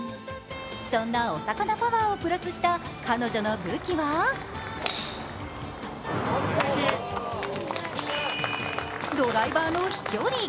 そんなお魚パワーをプラスした彼女の武器はドライバーの飛距離。